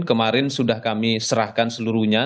kemarin sudah kami serahkan seluruhnya